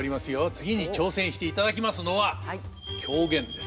次に挑戦していただきますのは狂言です。